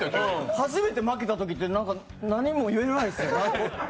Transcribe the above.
初めて負けたときって、何も言えないですね。